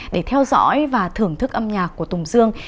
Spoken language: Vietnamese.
để theo dõi và thưởng thức âm nhạc của tùng dương